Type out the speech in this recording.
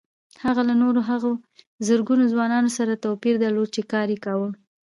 هغه له نورو هغو زرګونه ځوانانو سره توپير درلود چې کار يې کاوه.